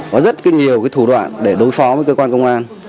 có rất nhiều thủ đoạn để đối phó với cơ quan công an